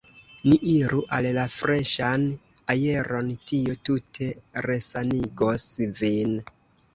Ni iru en la freŝan aeron, tio tute resanigos vin.